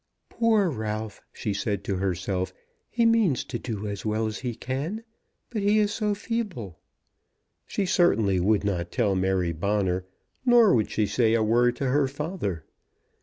"Poor Ralph," she said to herself; "he means to do as well as he can, but he is so feeble." She certainly would not tell Mary Bonner, nor would she say a word to her father.